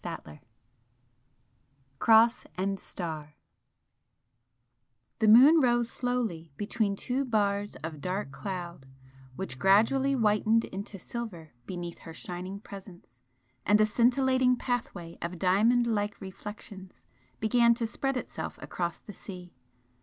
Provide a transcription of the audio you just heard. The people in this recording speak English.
XIV CROSS AND STAR The moon rose slowly between two bars of dark cloud which gradually whitened into silver beneath her shining presence, and a scintillating pathway of diamond like reflections began to spread itself across the sea.